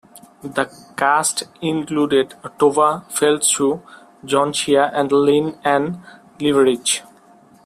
The cast included Tovah Feldshuh, John Shea, and Lynn Ann Leveridge.